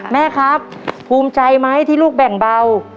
แม่ครับภูมิใจไหมที่ลูกแบ่งเบา